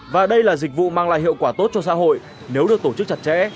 và đây là dịch vụ mang lại hiệu quả tốt cho xã hội nếu được tổ chức chặt chẽ